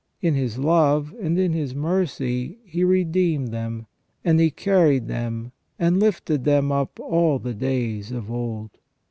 In His love and in His mercy He redeemed them, and He carried them, and lifted them up all the days of old."